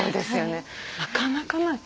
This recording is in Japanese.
なかなかない。